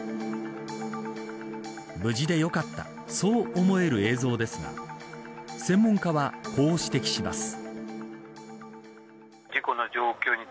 無事でよかったそう思える映像ですが専門家は、こう指摘します。